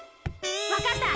わかった！